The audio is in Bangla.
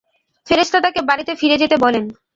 ফেরেশতা তাঁকে বাড়িতে ফিরে যেতে বলেন।